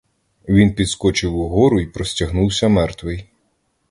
Він підскочив угору й простягнувся мертвий.